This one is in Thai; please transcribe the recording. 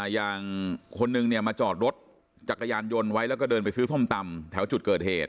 อย่างคนนึงเนี่ยมาจอดรถจักรยานยนต์ไว้แล้วก็เดินไปซื้อส้มตำแถวจุดเกิดเหตุ